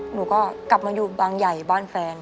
หนูก็กลับมาอยู่บางใหญ่บ้านแฟน